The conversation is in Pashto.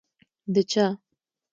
ـ د چا؟!